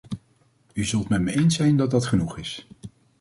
U zult met me eens zijn dat dat genoeg is.